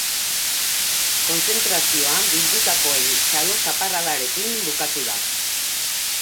Kontzentrazioa bildutakoen txalo-zaparradarekin bukatu da.